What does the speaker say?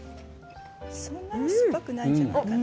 そんなにすっぱくないんじゃないかな。